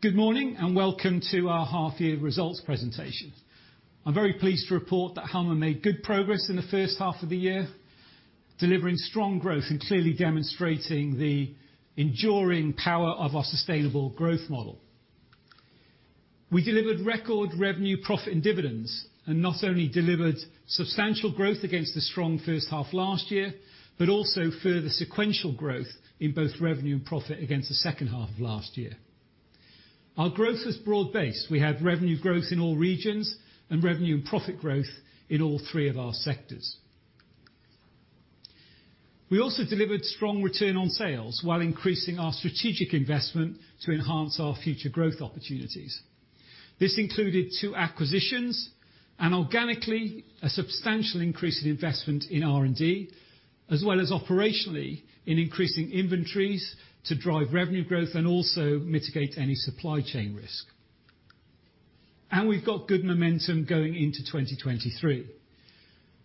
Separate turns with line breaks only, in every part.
Good morning, and welcome to our 1/2-year results presentation. I'm very pleased to report that Halma made good progress in the first half of the year, delivering strong growth and clearly demonstrating the enduring power of our sustainable growth model. We delivered record revenue, profit, and dividends. Not only delivered substantial growth against the strong first half last year, but also further sequential growth in both revenue and profit against the second half of last year. Our growth is broad-based. We have revenue growth in all regions and revenue and profit growth in all three of our sectors. We also delivered strong return on sales while increasing our strategic investment to enhance our future growth opportunities. This included two acquisitions, and organically, a substantial increase in investment in R&D, as well as operationally in increasing inventories to drive revenue growth and also mitigate any supply chain risk. We've got good momentum going into 2023.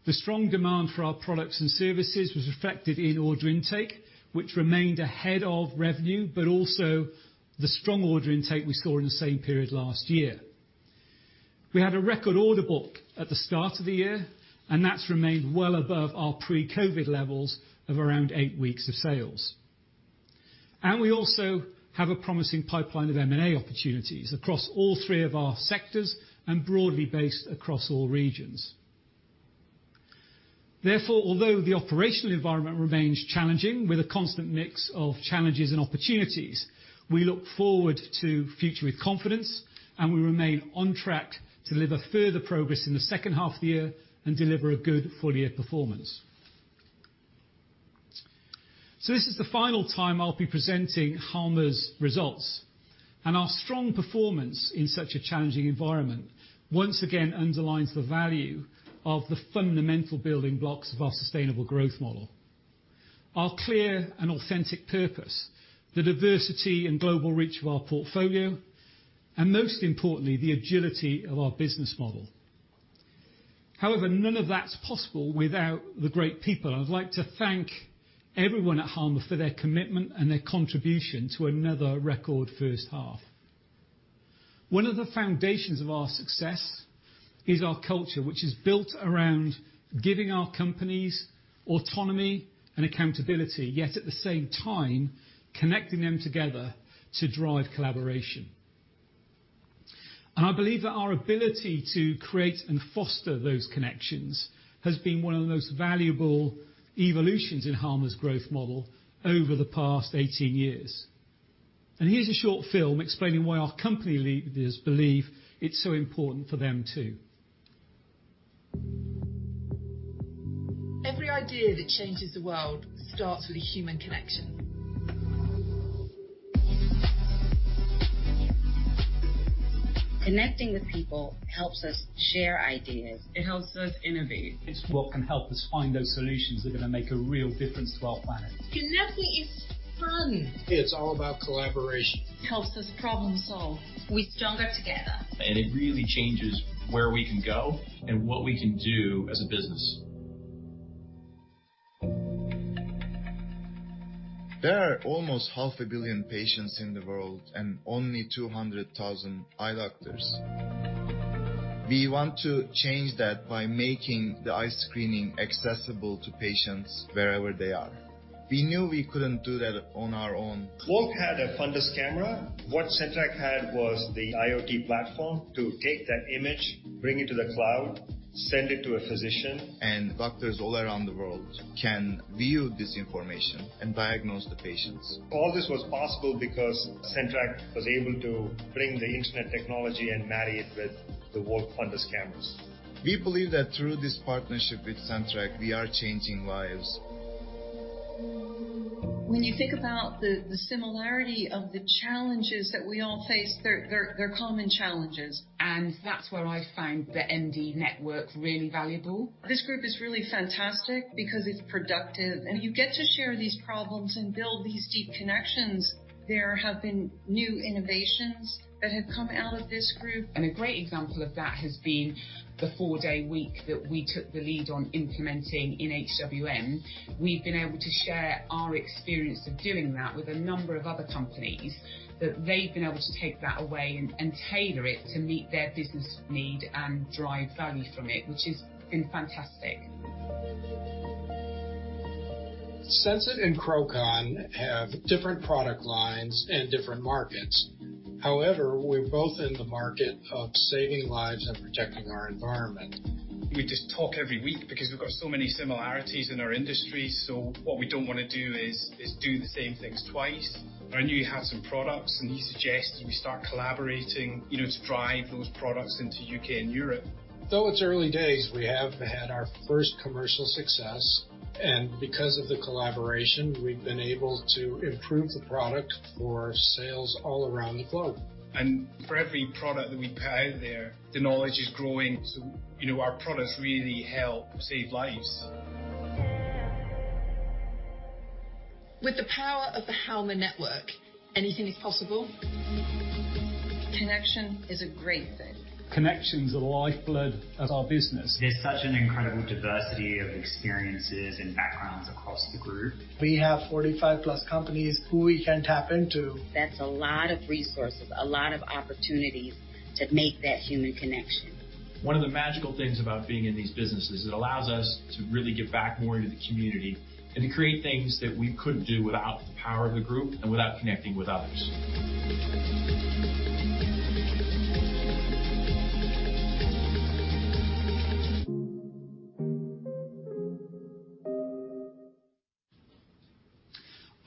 The strong demand for our products and services was reflected in order intake, which remained ahead of revenue, but also the strong order intake we saw in the same period last year. We had a record order book at the start of the year, and that's remained well above our pre-COVID levels of around eight weeks of sales. We also have a promising pipeline of M&A opportunities across all three of our sectors, and broadly based across all regions. Therefore, although the operational environment remains challenging with a constant mix of challenges and opportunities, we look forward to future with confidence, and we remain on track to deliver further progress in the second half of the year and deliver a good full-year performance. This is the final time I'll be presenting Halma's results. Our strong performance in such a challenging environment once again underlines the value of the fundamental building blocks of our sustainable growth model. Our clear and authentic purpose, the diversity and global reach of our portfolio, and most importantly, the agility of our business model. However, none of that's possible without the great people. I'd like to thank everyone at Halma for their commitment and their contribution to another record first half. One of the foundations of our success is our culture, which is built around giving our companies autonomy and accountability, yet at the same time, connecting them together to drive collaboration. I believe that our ability to create and foster those connections has been one of the most valuable evolutions in Halma's growth model over the past 18 years. Here's a short film explaining why our company leaders believe it's so important for them, too.
Every idea that changes the world starts with a human connection.
Connecting with people helps us share ideas.
It helps us innovate.
It's what can help us find those solutions that are gonna make a real difference to our planet.
Connecting is fun.
It's all about collaboration.
It helps us problem solve.
We're stronger together.
It really changes where we can go and what we can do as a business.
There are almost 500 million patients in the world and only 200,000 eye doctors. We want to change that by making the eye screening accessible to patients wherever they are. We knew we couldn't do that on our own.
Volk had a fundus camera. What CenTrak had was the IoT platform to take that image, bring it to the cloud, send it to a physician.
Doctors all around the world can view this information and diagnose the patients. All this was possible because CenTrak was able to bring the internet technology and marry it with the Volk fundus cameras.
We believe that through this partnership with CenTrak, we are changing lives.
When you think about the similarity of the challenges that we all face, they're common challenges.
That's where I find the MD network really valuable.
This group is really fantastic because it's productive, and you get to share these problems and build these deep connections. There have been new innovations that have come out of this group.
A great example of that has been the four-day week that we took the lead on implementing in HWM. We've been able to share our experience of doing that with a number of other companies, that they've been able to take that away and tailor it to meet their business need and drive value from it, which has been fantastic.
Sensit and Crowcon have different product lines and different markets. However, we're both in the market of saving lives and protecting our environment.
We just talk every week because we've got so many similarities in our industry, so what we don't wanna do is do the same things twice. I knew you had some products, and you suggested we start collaborating, you know, to drive those products into U.K. and Europe. Though it's early days, we have had our first commercial success. Because of the collaboration, we've been able to improve the product for sales all around the globe.
For every product that we put out there, the knowledge is growing, you know, our products really help save lives.
With the power of the Halma network, anything is possible.
Connection is a great thing.
Connections are the lifeblood of our business.
There's such an incredible diversity of experiences and backgrounds across the group. We have 45+ companies who we can tap into.
That's a lot of resources, a lot of opportunities to make that human connection.
One of the magical things about being in these businesses, it allows us to really give back more into the community and to create things that we couldn't do without the power of the group and without connecting with others.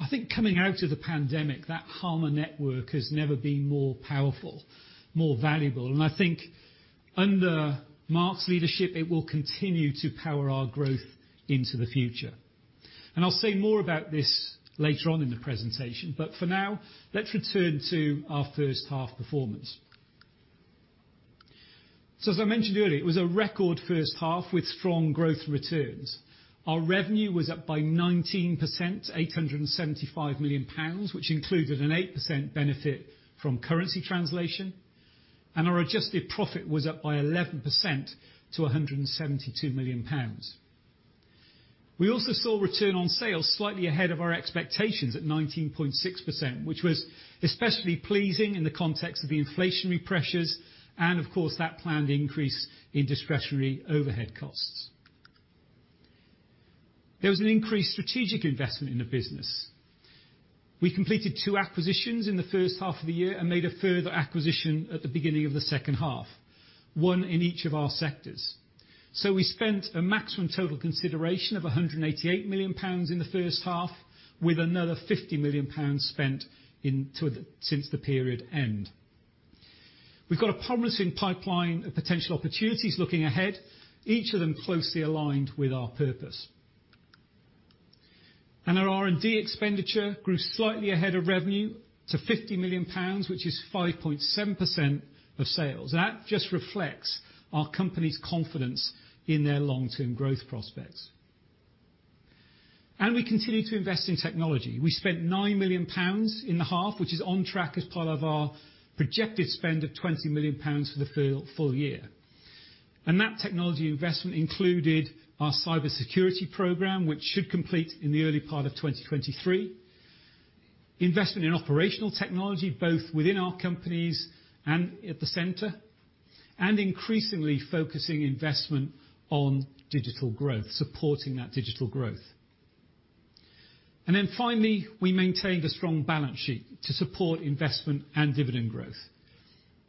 I think coming out of the pandemic, that Halma network has never been more powerful, more valuable, and I think under Marc's leadership, it will continue to power our growth into the future. I'll say more about this later on in the presentation, but for now, let's return to our first half performance. As I mentioned earlier, it was a record first half with strong growth returns. Our revenue was up by 19%, 875 million pounds, which included an 8% benefit from currency translation. Our adjusted profit was up by 11% to 172 million pounds. We also saw return on sales slightly ahead of our expectations at 19.6%, which was especially pleasing in the context of the inflationary pressures and of course that planned increase in discretionary overhead costs. There was an increased strategic investment in the business. We completed two acquisitions in the first half of the year and made a further acquisition at the beginning of the second half, one in each of our sectors. We spent a maximum total consideration of 188 million pounds in the first half with another 50 million pounds spent since the period end. We've got a promising pipeline of potential opportunities looking ahead, each of them closely aligned with our purpose. Our R&D expenditure grew slightly ahead of revenue to 50 million pounds, which is 5.7% of sales. That just reflects our company's confidence in their long-term growth prospects. We continue to invest in technology. We spent 9 million pounds in the half, which is on track as part of our projected spend of 20 million pounds for the full year. That technology investment included our cybersecurity program, which should complete in the early part of 2023, investment in operational technology, both within our companies and at the center, and increasingly focusing investment on digital growth, supporting that digital growth. Finally, we maintained a strong balance sheet to support investment and dividend growth.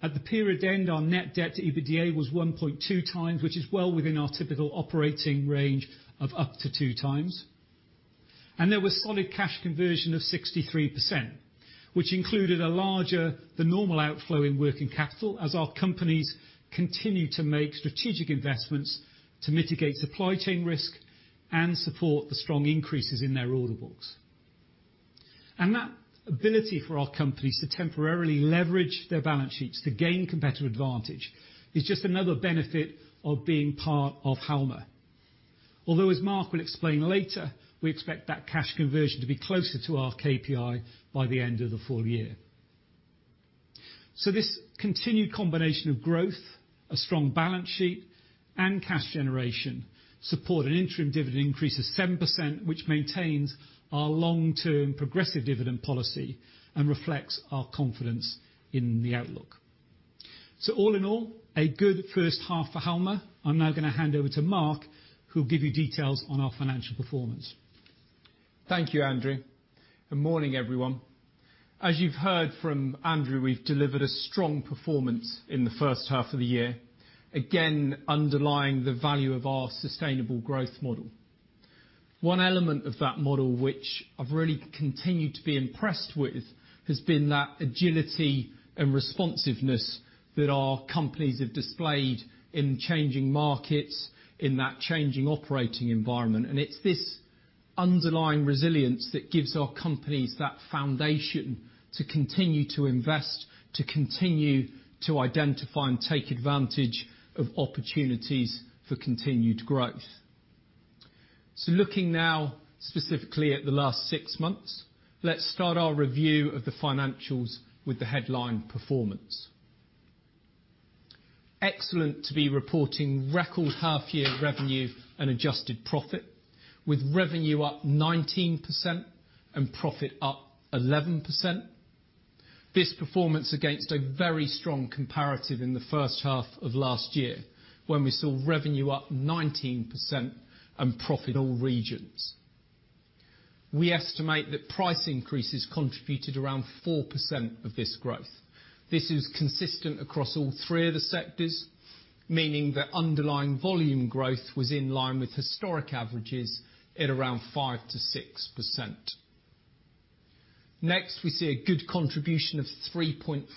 At the period end, our net debt to EBITDA was 1.2x, which is well within our typical operating range of up to 2x. There was solid cash conversion of 63%, which included a larger than normal outflow in working capital as our companies continue to make strategic investments to mitigate supply chain risk and support the strong increases in their order books. That ability for our companies to temporarily leverage their balance sheets to gain competitive advantage is just another benefit of being part of Halma. Although, as Marc will explain later, we expect that cash conversion to be closer to our KPI by the end of the full year. This continued combination of growth, a strong balance sheet, and cash generation support an interim dividend increase of 7%, which maintains our long-term progressive dividend policy and reflects our confidence in the outlook. All in all, a good first half for Halma. I'm now gonna hand over to Marc, who'll give you details on our financial performance.
Thank you, Andrew. Good morning, everyone. As you've heard from Andrew, we've delivered a strong performance in the first half of the year, again, underlying the value of our sustainable growth model. One element of that model, which I've really continued to be impressed with, has been that agility and responsiveness that our companies have displayed in changing markets, in that changing operating environment. It's this underlying resilience that gives our companies that foundation to continue to invest, to continue to identify and take advantage of opportunities for continued growth. Looking now specifically at the last six months, let's start our review of the financials with the headline performance. Excellent to be reporting record 1/2 year revenue and adjusted profit, with revenue up 19% and profit up 11%. This performance against a very strong comparative in the first half of last year, when we saw revenue up 19% and profit all regions. We estimate that price increases contributed around 4% of this growth. This is consistent across all three of the sectors, meaning that underlying volume growth was in line with historic averages at around 5%-6%. Next, we see a good contribution of 3.4%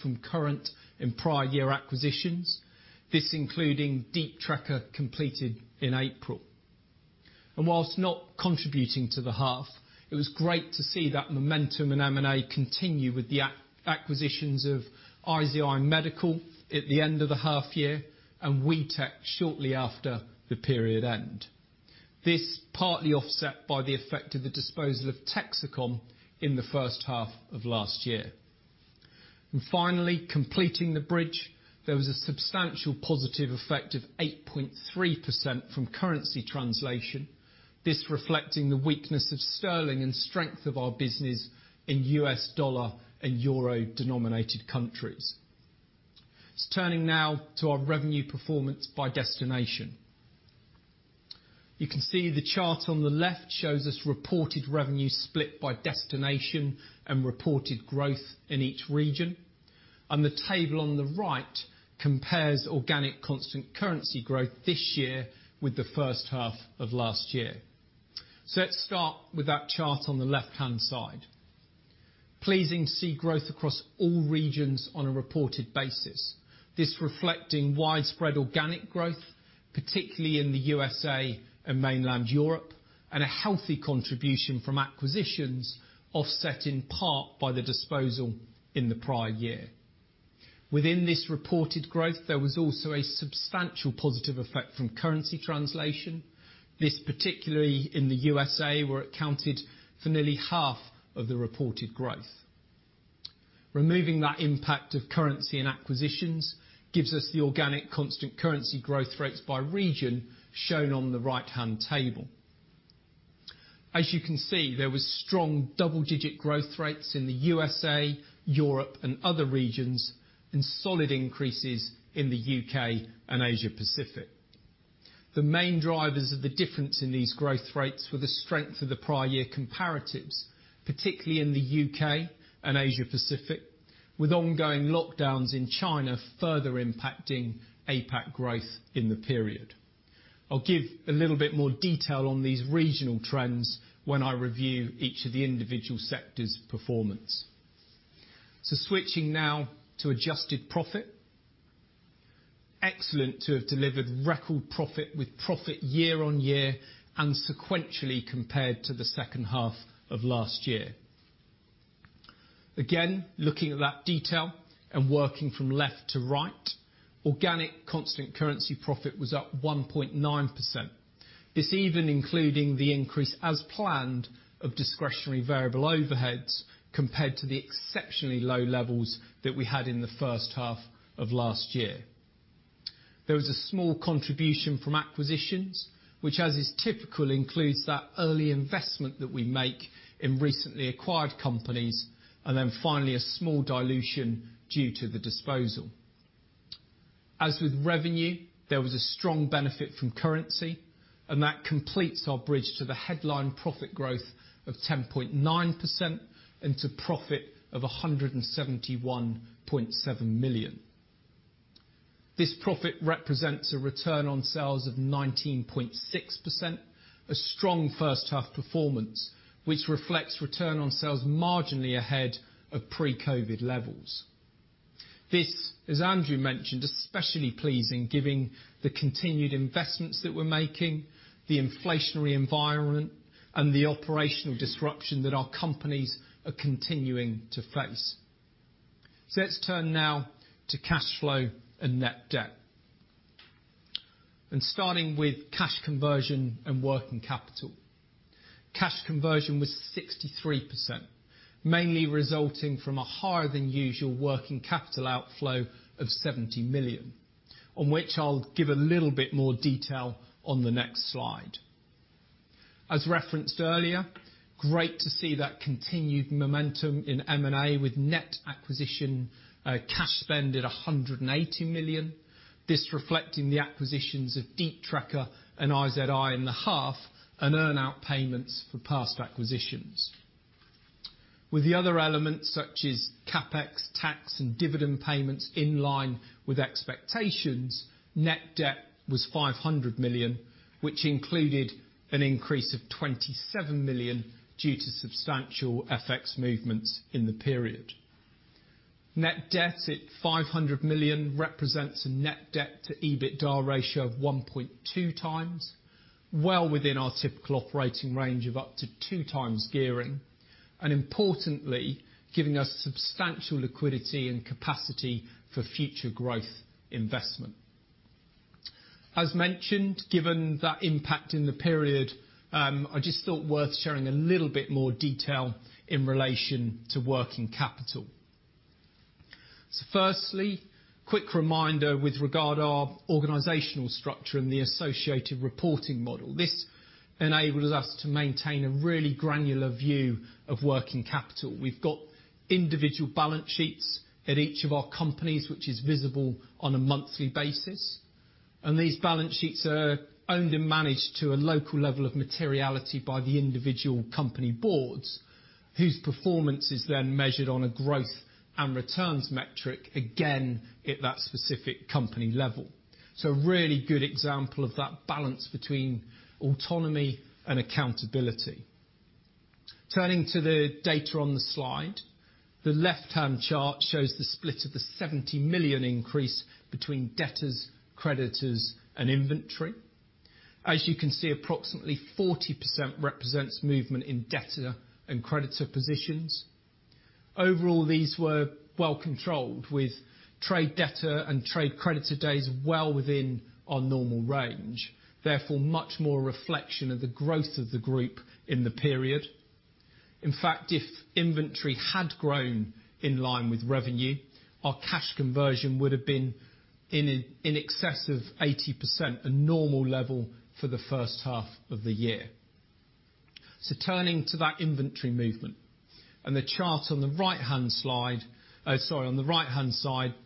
from current and prior year acquisitions, this including Deep Trekker completed in April. Whilst not contributing to the half, it was great to see that momentum in M&A continue with the acquisitions of IZI Medical at the end of the half year and WEETECH shortly after the period end, this partly offset by the effect of the disposal of Texecom in the first half of last year. Finally, completing the bridge, there was a substantial positive effect of 8.3% from currency translation. This reflecting the weakness of sterling and strength of our business in U.S. dollar and euro-denominated countries. Turning now to our revenue performance by destination. You can see the chart on the left shows us reported revenue split by destination and reported growth in each region. The table on the right compares organic constant currency growth this year with the first half of last year. Let's start with that chart on the left-hand side. Pleasing to see growth across all regions on a reported basis. This reflecting widespread organic growth, particularly in the U.S.A. and Mainland Europe, and a healthy contribution from acquisitions, offset in part by the disposal in the prior year. Within this reported growth, there was also a substantial positive effect from currency translation. This particularly in the U.SA., where it accounted for nearly half of the reported growth. Removing that impact of currency and acquisitions gives us the organic constant currency growth rates by region shown on the right-hand table. As you can see, there was strong double-digit growth rates in the U.S.A., Europe, and other regions, and solid increases in the U.K. and Asia Pacific. The main drivers of the difference in these growth rates were the strength of the prior year comparatives, particularly in the U.K. and Asia Pacific, with ongoing lockdowns in China further impacting APAC growth in the period. I'll give a little bit more detail on these regional trends when I review each of the individual sectors' performance. Switching now to adjusted profit. Excellent to have delivered record profit, with profit year-on-year and sequentially compared to the second half of last year. Again, looking at that detail and working from left to right, organic constant currency profit was up 1.9%, this even including the increase as planned of discretionary variable overheads compared to the exceptionally low levels that we had in the first half of last year. There was a small contribution from acquisitions, which as is typical, includes that early investment that we make in recently acquired companies, and then finally a small dilution due to the disposal. As with revenue, there was a strong benefit from currency, and that completes our bridge to the headline profit growth of 10.9% and to profit of 171.7 million. This profit represents a return on sales of 19.6%, a strong first half performance, which reflects return on sales marginally ahead of pre-COVID levels. This, as Andrew mentioned, especially pleasing given the continued investments that we're making, the inflationary environment, and the operational disruption that our companies are continuing to face. Let's turn now to cash flow and net debt. Starting with cash conversion and working capital. Cash conversion was 63%, mainly resulting from a higher than usual working capital outflow of 70 million, on which I'll give a little bit more detail on the next slide. As referenced earlier, great to see that continued momentum in M&A with net acquisition cash spend at 180 million. This reflecting the acquisitions of Deep Trekker and IZI in the half, and earn out payments for past acquisitions. With the other elements such as CapEx, tax, and dividend payments in line with expectations, net debt was 500 million, which included an increase of 27 million due to substantial F.X. movements in the period. Net debt at 500 million represents a net debt to EBITDA ratio of 1.2x, well within our typical operating range of up to 2x gearing, and importantly, giving us substantial liquidity and capacity for future growth investment. As mentioned, given that impact in the period, I just thought worth sharing a little bit more detail in relation to working capital. Firstly, quick reminder with regard our organizational structure and the associated reporting model. This enables us to maintain a really granular view of working capital. We've got individual balance sheets at each of our companies, which is visible on a monthly basis. These balance sheets are owned and managed to a local level of materiality by the individual company boards, whose performance is then measured on a growth and returns metric, again, at that specific company level. A really good example of that balance between autonomy and accountability. Turning to the data on the slide, the left-hand chart shows the split of the 70 million increase between debtors, creditors, and inventory. As you can see, approximately 40% represents movement in debtor and creditor positions. Overall, these were well controlled with trade debtor and trade creditor days well within our normal range, therefore much more reflection of the growth of the group in the period. In fact, if inventory had grown in line with revenue, our cash conversion would have been in excess of 80%, a normal level for the first half of the year. Turning to that inventory movement and the chart on the right-hand side,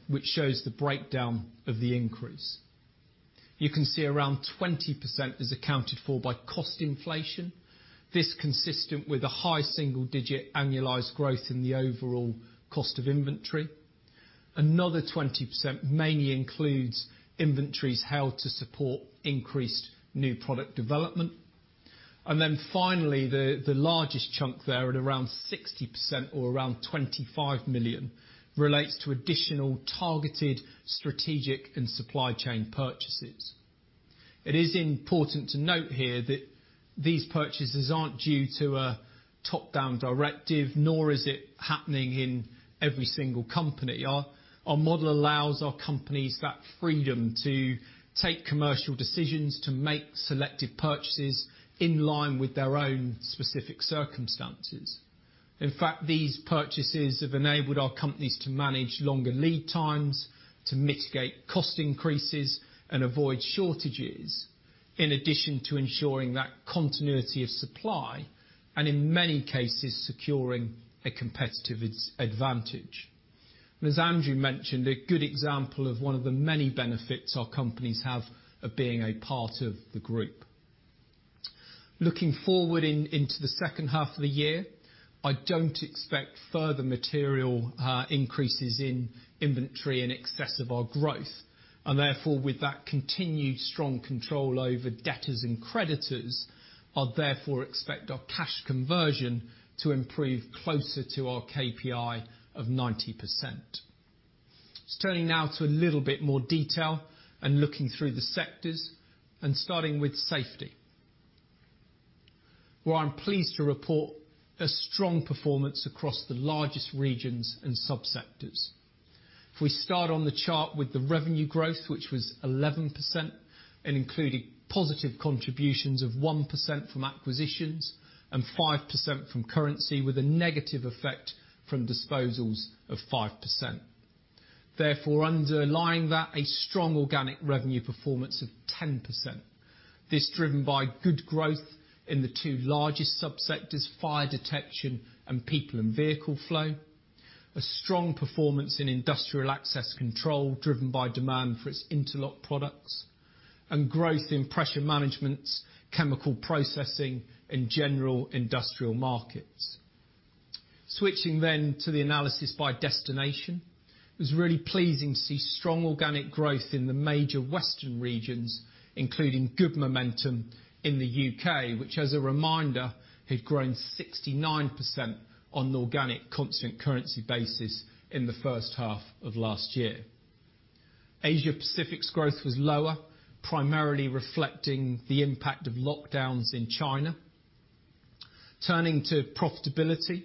which shows the breakdown of the increase. You can see around 20% is accounted for by cost inflation, this consistent with a high single-digit annualized growth in the overall cost of inventory. Another 20% mainly includes inventories held to support increased new product development. Finally, the largest chunk there at around 60% or around 25 million relates to additional targeted strategic and supply chain purchases. It is important to note here that these purchases aren't due to a top-down directive, nor is it happening in every single company. Our model allows our companies that freedom to take commercial decisions, to make selective purchases in line with their own specific circumstances. In fact, these purchases have enabled our companies to manage longer lead times, to mitigate cost increases, and avoid shortages in addition to ensuring that continuity of supply, and in many cases, securing a competitive advantage. As Andrew mentioned, a good example of one of the many benefits our companies have of being a part of the Group. Looking forward into the second half of the year, I don't expect further material increases in inventory in excess of our growth. Therefore, with that continued strong control over debtors and creditors, I'd therefore expect our cash conversion to improve closer to our KPI of 90%. Turning now to a little bit more detail and looking through the sectors, and starting with Safety, where I'm pleased to report a strong performance across the largest regions and sub-sectors. If we start on the chart with the revenue growth, which was 11%, and including positive contributions of 1% from acquisitions and 5% from currency with a negative effect from disposals of 5%. Therefore, underlying that, a strong organic revenue performance of 10%. This driven by good growth in the two largest subsectors, fire detection and people and vehicle flow. A strong performance in industrial access control, driven by demand for its interlock products, and growth in pressure management, chemical processing, and general industrial markets. Switching then to the analysis by destination, it was really pleasing to see strong organic growth in the major western regions, including good momentum in the U.K., which as a reminder, had grown 69% on an organic constant currency basis in the first half of last year. Asia Pacific's growth was lower, primarily reflecting the impact of lockdowns in China. Turning to profitability,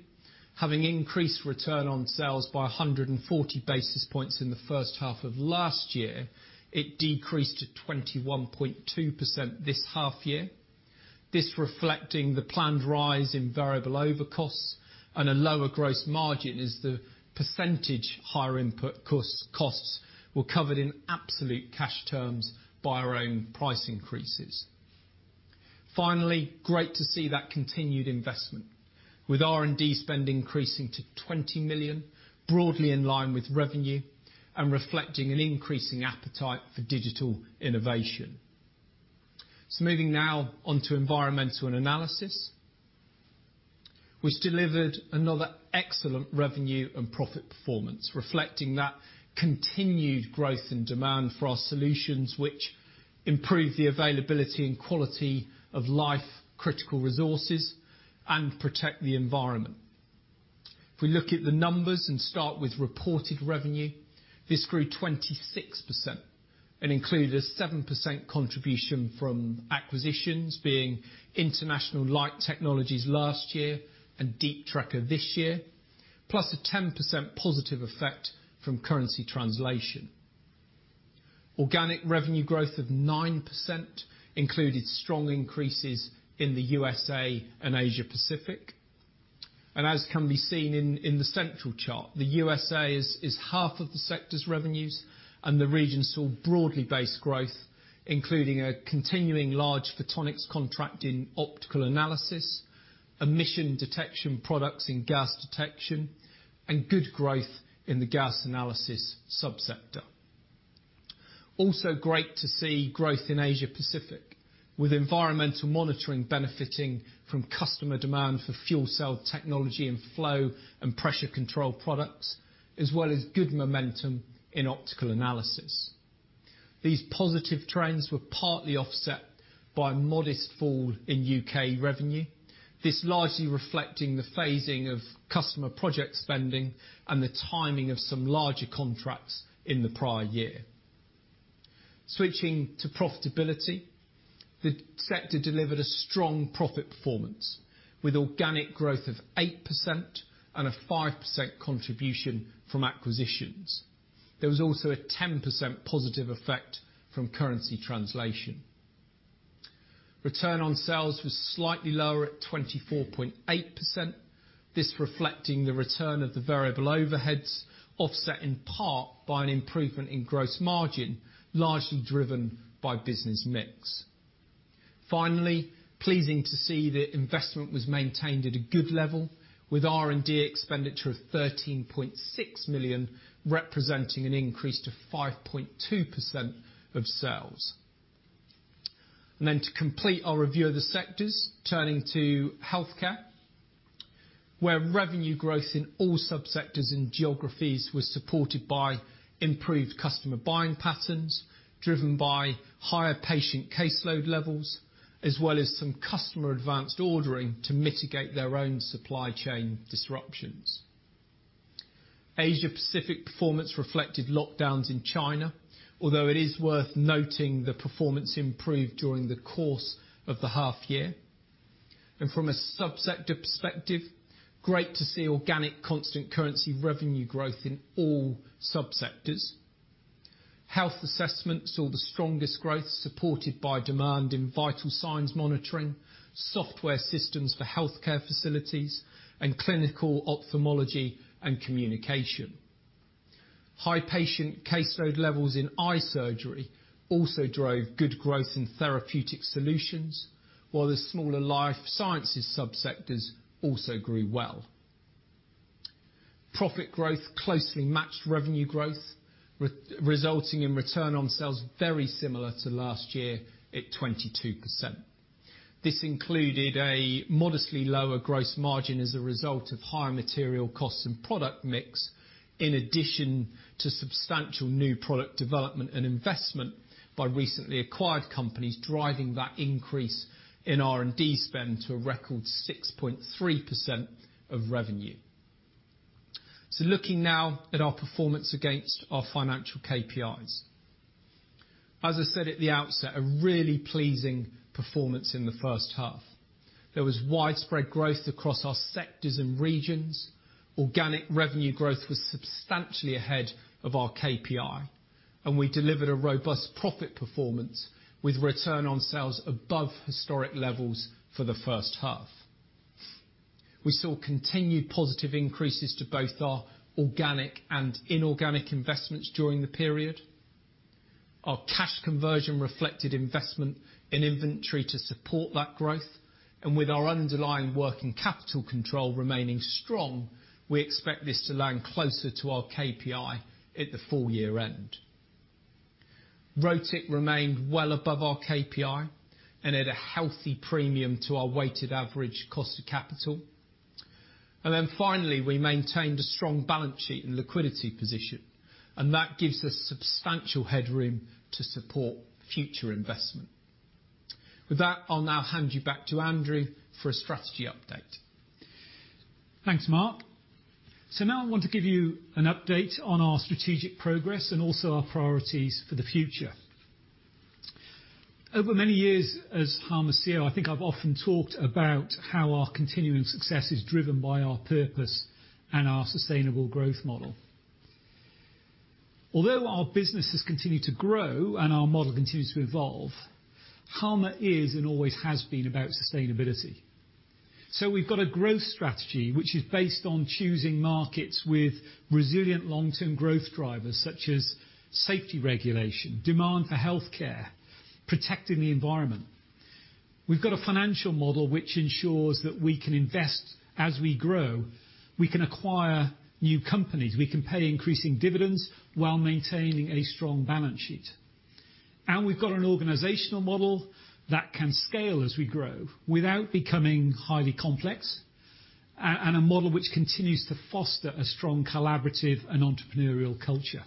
having increased return on sales by a 100 and 40 basis points in the first half of last year, it decreased to 21.2% This 1/2 year. This reflecting the planned rise in variable overcosts and a lower gross margin as the percentage higher input costs were covered in absolute cash terms by our own price increases. Finally, great to see that continued investment, with R&D spend increasing to 20 million, broadly in line with revenue and reflecting an increasing appetite for digital innovation. So moving now on to environmental and analysis, which delivered another excellent revenue and profit performance, reflecting that continued growth and demand for our solutions, which improve the availability and quality of life, critical resources, and protect the environment. If we look at the numbers and start with reported revenue, this grew 26% and included a 7% contribution from acquisitions being International Light Technologies last year and Deep Trekker this year, plus a 10% positive effect from currency translation. Organic revenue growth of 9% included strong increases in the U.S.A. and Asia Pacific. As can be seen in the central chart, the U.S.A. is half of the sector's revenues and the region saw broadly based growth, including a continuing large photonics contract in optical analysis, emission detection products in gas detection, and good growth in the gas analysis sub-sector. Also great to see growth in Asia Pacific, with environmental monitoring benefiting from customer demand for fuel cell technology and flow and pressure control products, as well as good momentum in optical analysis. These positive trends were partly offset by a modest fall in U.K. revenue. This largely reflecting the phasing of customer project spending and the timing of some larger contracts in the prior year. Switching to profitability, the sector delivered a strong profit performance with organic growth of 8% and a 5% contribution from acquisitions. There was also a 10% positive effect from currency translation. Return on sales was slightly lower at 24.8%. This reflecting the return of the variable overheads, offset in part by an improvement in gross margin, largely driven by business mix. Finally, pleasing to see that investment was maintained at a good level, with R&D expenditure of 13.6 million, representing an increase to 5.2% of sales. To complete our review of the sectors, turning to healthcare, where revenue growth in all sub-sectors and geographies was supported by improved customer buying patterns, driven by higher patient caseload levels, as well as some customer advanced ordering to mitigate their own supply chain disruptions. Asia Pacific performance reflected lockdowns in China, although it is worth noting the performance improved during the course of the half year. From a sub-sector perspective, great to see organic constant currency revenue growth in all sub-sectors. Health assessments saw the strongest growth supported by demand in vital signs monitoring, software systems for healthcare facilities, and clinical ophthalmology and communication. High patient caseload levels in eye surgery also drove good growth in Therapeutic Solutions, while the smaller Life Sciences sub-sectors also grew well. Profit growth closely matched revenue growth, resulting in return on sales very similar to last year at 22%. This included a modestly lower gross margin as a result of higher material costs and product mix, in addition to substantial new product development and investment by recently acquired companies, driving that increase in R&D spend to a record 6.3% of revenue. Looking now at our performance against our financial KPIs. As I said at the outset, a really pleasing performance in the first half. There was widespread growth across our sectors and regions. Organic revenue growth was substantially ahead of our KPI, and we delivered a robust profit performance with return on sales above historic levels for the first half. We saw continued positive increases to both our organic and inorganic investments during the period. Our cash conversion reflected investment in inventory to support that growth. With our underlying working capital control remaining strong, we expect this to land closer to our KPI at the full year end. ROIC remained well above our KPI and at a healthy premium to our weighted average cost of capital. Finally, we maintained a strong balance sheet and liquidity position, and that gives us substantial headroom to support future investment. With that, I'll now hand you back to Andrew for a strategy update.
Thanks, Marc. Now I want to give you an update on our strategic progress and also our priorities for the future. Over many years as Halma CEO, I think I've often talked about how our continuing success is driven by our purpose and our sustainable growth model. Although our business has continued to grow and our model continues to evolve, Halma is and always has been about sustainability. We've got a growth strategy which is based on choosing markets with resilient long-term growth drivers such as safety regulation, demand for healthcare, protecting the environment. We've got a financial model which ensures that we can invest as we grow. We can acquire new companies, we can pay increasing dividends while maintaining a strong balance sheet. We've got an organizational model that can scale as we grow without becoming highly complex and a model which continues to foster a strong collaborative and entrepreneurial culture.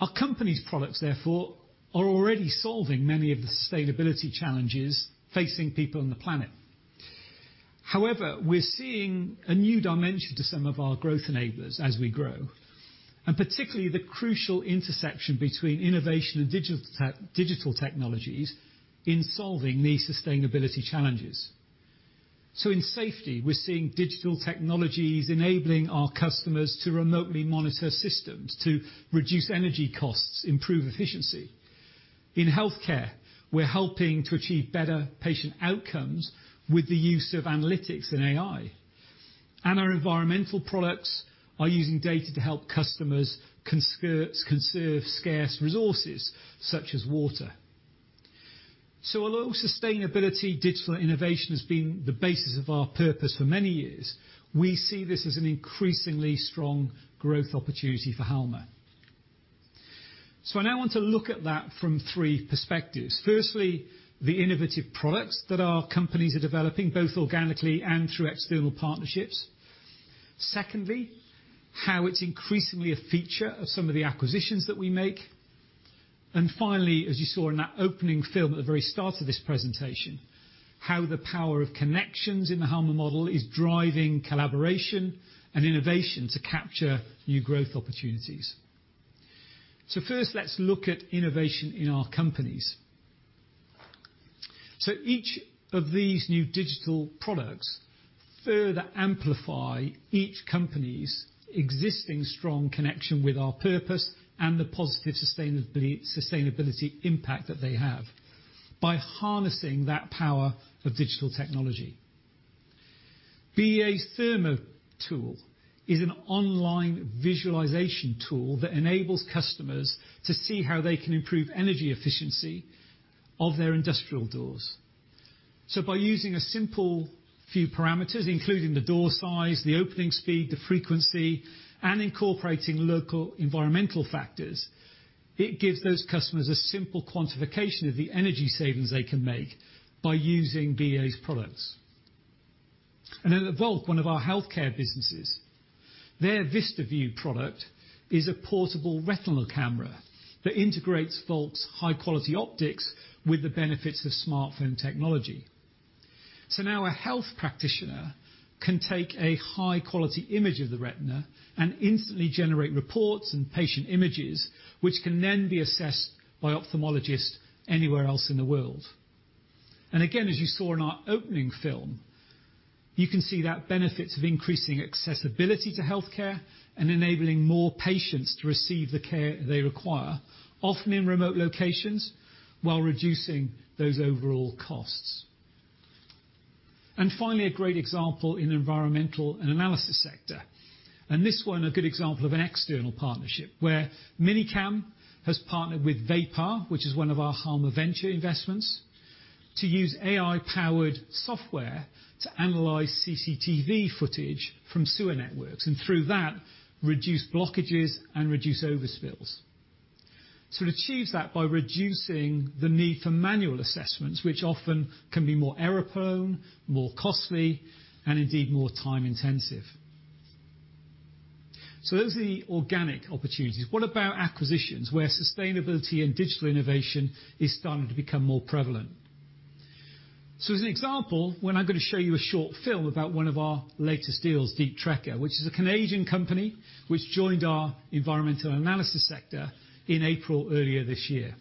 Our company's products, therefore, are already solving many of the sustainability challenges facing people on the planet. However, we're seeing a new dimension to some of our growth enablers as we grow, and particularly the crucial intersection between innovation and digital technologies in solving these sustainability challenges. In safety, we're seeing digital technologies enabling our customers to remotely monitor systems to reduce energy costs, improve efficiency. In healthcare, we're helping to achieve better patient outcomes with the use of analytics and AI. Our environmental products are using data to help customers conserve scarce resources such as water. Although sustainability digital innovation has been the basis of our purpose for many years, we see this as an increasingly strong growth opportunity for Halma. I now want to look at that from three perspectives. Firstly, the innovative products that our companies are developing, both organically and through external partnerships. Secondly, how it's increasingly a feature of some of the acquisitions that we make. Finally, as you saw in that opening film at the very start of this presentation, how the power of connections in the Halma model is driving collaboration and innovation to capture new growth opportunities. First, let's look at innovation in our companies. Each of these new digital products further amplify each company's existing strong connection with our purpose and the positive sustainability impact that they have by harnessing that power of digital technology. BEA's ThermoTool is an online visualization tool that enables customers to see how they can improve energy efficiency of their industrial doors. By using a simple few parameters, including the door size, the opening speed, the frequency, and incorporating local environmental factors, it gives those customers a simple quantification of the energy savings they can make by using BEA's products. At Volk, one of our healthcare businesses, their VistaView product is a portable retinal camera that integrates Volk's high-quality optics with the benefits of smartphone technology. Now a health practitioner can take a high-quality image of the retina and instantly generate reports and patient images, which can then be assessed by ophthalmologists anywhere else in the world. Again, as you saw in our opening film, you can see the benefits of increasing accessibility to healthcare and enabling more patients to receive the care they require, often in remote locations, while reducing those overall costs. Finally, a great example in Environmental and Analysis sector, and this one a good example of an external partnership, where Minicam has partnered with VAPAR, which is one of our Halma venture investments, to use AI-powered software to analyze CCTV footage from sewer networks, and through that, reduce blockages and reduce overspills. It achieves that by reducing the need for manual assessments, which often can be more error-prone, more costly, and indeed, more time-intensive. Those are the organic opportunities. What about acquisitions, where sustainability and digital innovation is starting to become more prevalent? As an example, well, I'm gonna show you a short film about one of our latest deals, Deep Trekker, which is a Canadian company which joined our Environmental Analysis sector in April earlier this year.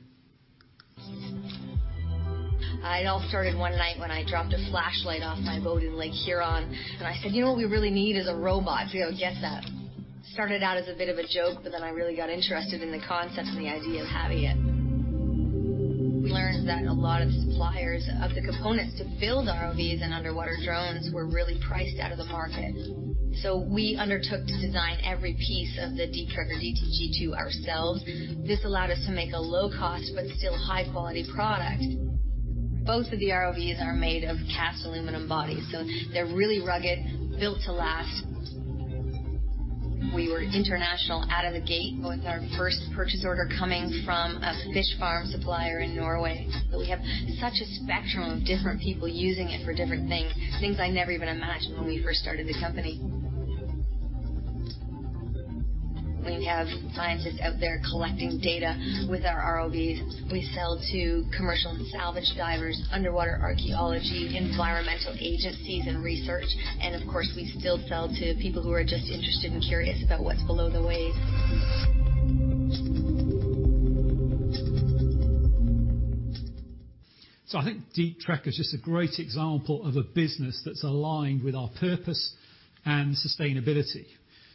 It all started one night when I dropped a flashlight off my boat in Lake Huron, and I said, "You know what we really need is a robot to go get that." Started out as a bit of a joke, but then I really got interested in the concept and the idea of having it. We learned that a lot of suppliers of the components to build ROVs and underwater drones were really priced out of the market. We undertook to design every piece of the Deep Trekker DTG2 ourselves. This allowed us to make a low-cost but still high-quality product. Both of the ROVs are made of cast aluminum bodies, so they're really rugged, built to last. We were international out of the gate with our first purchase order coming from a fish farm supplier in Norway. We have such a spectrum of different people using it for different things I never even imagined when we first started the company. We have scientists out there collecting data with our ROVs. We sell to commercial and salvage divers, underwater archaeology, environmental agencies and research, and of course, we still sell to people who are just interested and curious about what's below the waves.
I think Deep Trekker's just a great example of a business that's aligned with our purpose and sustainability.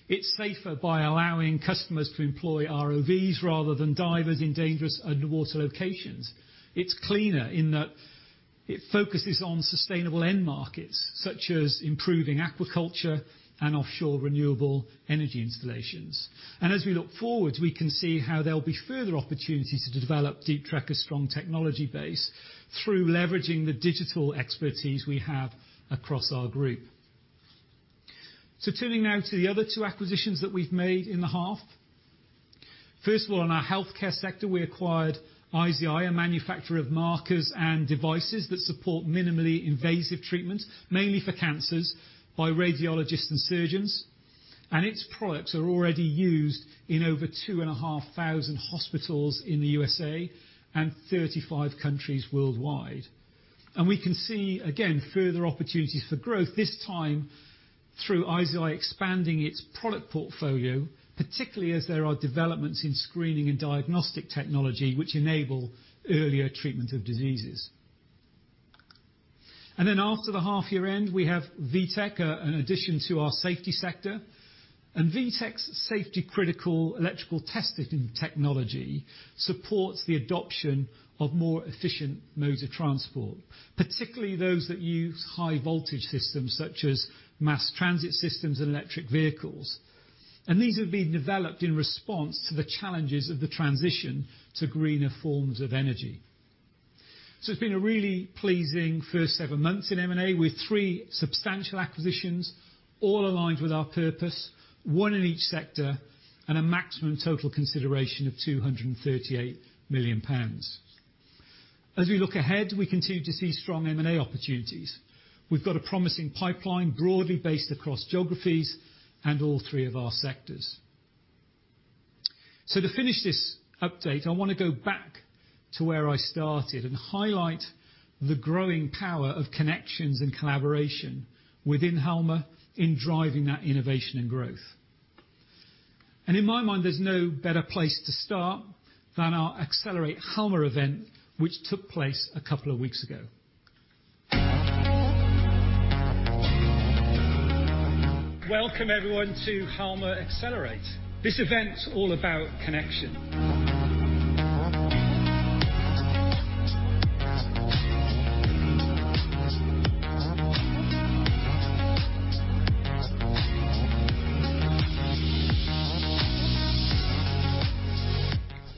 It's safer by allowing customers to employ ROVs rather than divers in dangerous underwater locations. It's cleaner in that it focuses on sustainable end markets, such as improving aquaculture and offshore renewable energy installations. As we look forward, we can see how there'll be further opportunities to develop Deep Trekker's strong technology base through leveraging the digital expertise we have across our group. Turning now to the other two acquisitions that we've made in the half. First of all, in our healthcare sector, we acquired IZI, a manufacturer of markers and devices that support minimally invasive treatment, mainly for cancers, by radiologists and surgeons. Its products are already used in over 2,500 hospitals in the U.S.A. and 35 countries worldwide. We can see, again, further opportunities for growth, this time through IZI expanding its product portfolio, particularly as there are developments in screening and diagnostic technology which enable earlier treatment of diseases. After the half-year end, we have WEETECH, an addition to our safety sector. WEETECH's safety-critical electrical testing technology supports the adoption of more efficient motor transport, particularly those that use high-voltage systems such as mass transit systems and electric vehicles. These have been developed in response to the challenges of the transition to greener forms of energy. It's been a really pleasing first seven months in M&A with three substantial acquisitions, all aligned with our purpose, one in each sector, and a maximum total consideration of 238 million pounds. As we look ahead, we continue to see strong M&A opportunities. We've got a promising pipeline broadly based across geographies and all three of our sectors. To finish this update, I wanna go back to where I started and highlight the growing power of connections and collaboration within Halma in driving that innovation and growth. In my mind, there's no better place to start than our Accelerate Halma event, which took place a couple of weeks ago. Welcome everyone to Halma Accelerate. This event's all about connection.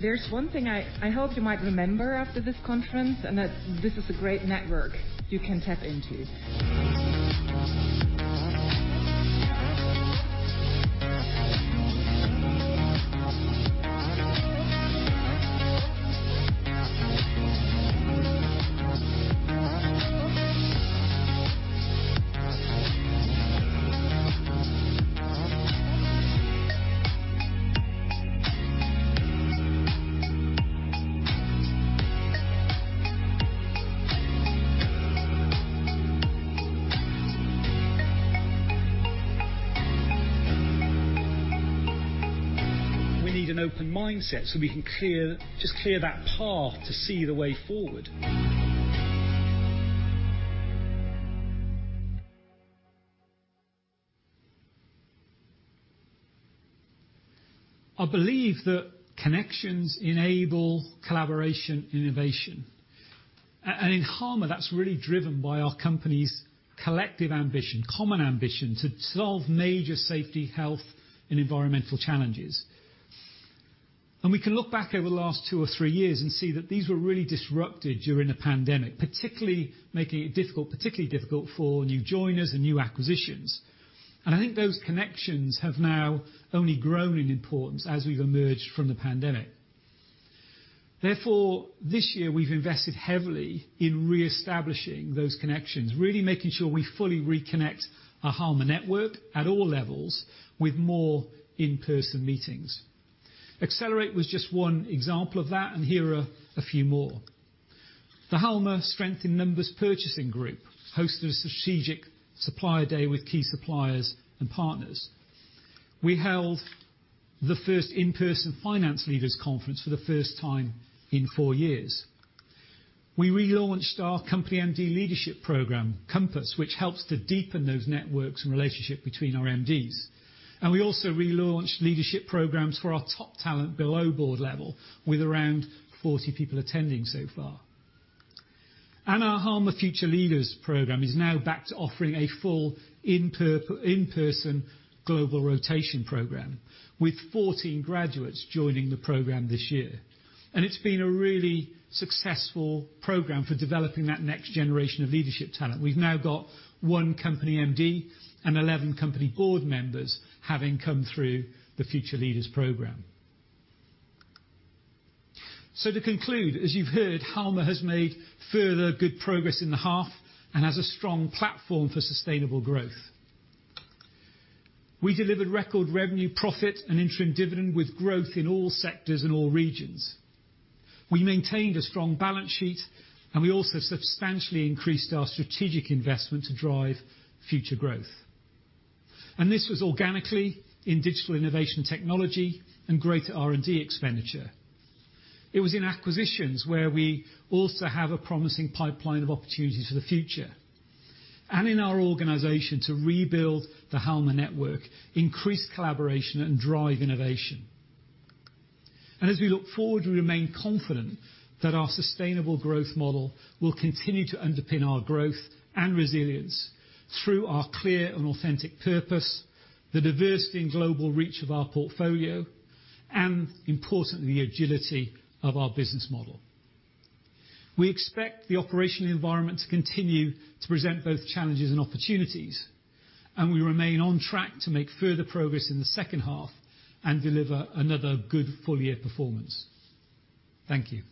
There's one thing I hope you might remember after this conference, and that this is a great network you can tap into.
We need an open mindset so we can just clear that path to see the way forward. I believe that connections enable collaboration innovation. In Halma, that's really driven by our company's common ambition to solve major safety, health, and environmental challenges. We can look back over the last two or three years and see that these were really disrupted during the pandemic, particularly difficult for new joiners and new acquisitions. I think those connections have now only grown in importance as we've emerged from the pandemic. Therefore, this year we've invested heavily in reestablishing those connections, really making sure we fully reconnect our Halma network at all levels with more in-person meetings. Accelerate was just one example of that, and here are a few more. The Halma Strengthen Members purchasing group hosted a strategic supplier day with key suppliers and partners. We held the first in-person finance leaders conference for the first time in four years. We relaunched our company MD leadership program, Compass, which helps to deepen those networks and relationship between our MDs. We also relaunched leadership programs for our top talent below board level with around 40 people attending so far. Our Halma Future Leaders program is now back to offering a full in-person global rotation program, with 14 graduates joining the program this year. It's been a really successful program for developing that next generation of leadership talent. We've now got one company MD and 11 company board members having come through the Future Leaders program. To conclude, as you've heard, Halma has made further good progress in the half and has a strong platform for sustainable growth. We delivered record revenue, profit, an interim dividend with growth in all sectors in all regions. We maintained a strong balance sheet, and we also substantially increased our strategic investment to drive future growth. This was organically in digital innovation technology and greater R&D expenditure. It was in acquisitions where we also have a promising pipeline of opportunities for the future. In our organization to rebuild the Halma network, increase collaboration, and drive innovation. As we look forward, we remain confident that our sustainable growth model will continue to underpin our growth and resilience through our clear and authentic purpose, the diversity and global reach of our portfolio, and importantly, agility of our business model. We expect the operational environment to continue to present both challenges and opportunities, and we remain on track to make further progress in the second half and deliver another good full-year performance. Thank you.